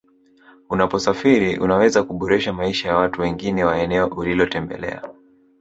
Unaposafiri unaweza kuboresha maisha ya watu wengine wa eneo ulilotembelea